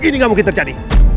ini ga mungkin terjadi